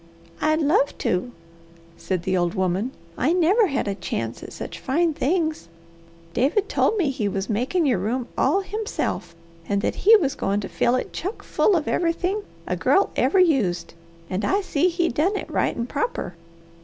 "I'd love to!" said the old woman. "I never had a chance at such fine things. David told me he was makin' your room all himself, and that he was goin' to fill it chuck full of everythin' a girl ever used, and I see he done it right an' proper.